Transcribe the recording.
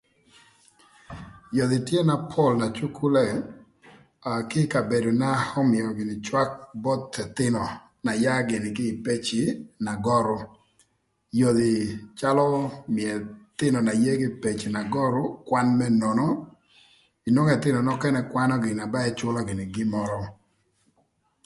Yodhi tye na pol na cukule aa kï ï kabedona ömïö gïnï cwak both ëthïnö na yaa gïnï kï ï peci na görü. Yodhi calö mïö ëthïnö na yaa gïnï kï ï peci na görü kwan më nono inwongo ëthïnö nökënë gïnï kwanö gïnï na ba ëcülö gïnï gin mörö.